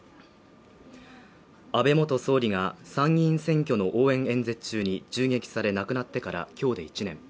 安倍元総理が参議院選挙の応援演説中に銃撃され亡くなってから今日で１年。